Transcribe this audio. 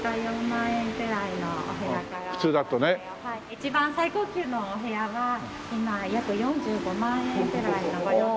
一番最高級のお部屋が今約４５万円ぐらいのご料金を。